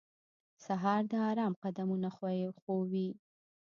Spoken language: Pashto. سهار د آرام قدمونه ښووي.